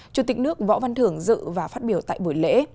chủ tịch nước võ văn thưởng dự và phát biểu tại buổi lễ